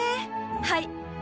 はい。